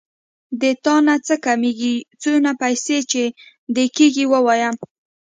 د تانه څه کمېږي څونه پيسې چې دې کېږي ووايه.